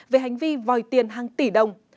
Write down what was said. về hành vi vòi tiền hàng tỷ đồng